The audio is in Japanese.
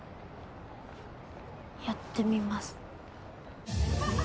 やってみます。